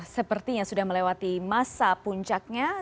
sepertinya sudah melewati masa puncaknya